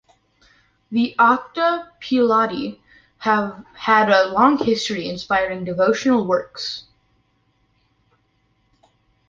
The "Acta Pilati" have had a long history inspiring devotional works.